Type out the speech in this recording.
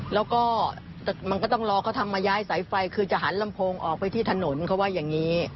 แล้วก็มันก็ต้องรอเขาทำมาย้ายสายไฟคือจะหันลำโพงออกไปที่ถนนเขาว่าอย่างนี้